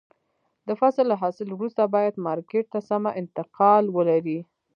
د فصل له حاصل وروسته باید مارکېټ ته سمه انتقال ولري.